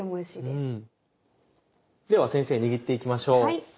では先生握って行きましょう。